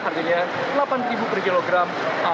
harganya delapan per kilogram